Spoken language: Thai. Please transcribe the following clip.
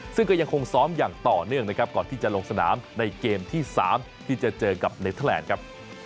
ซึ่งก็ยังคงซ้อมอย่างต่อเนื่องนะครับก่อนที่จะลงสนามในเกมที่๓ที่จะเจอกับเนเทอร์แลนด์ครับ